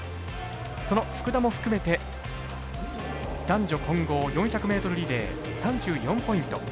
その福田も含めて男女混合４００ｍリレー３４ポイント。